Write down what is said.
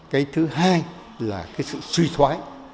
cái thứ hai là cái sự suy thoái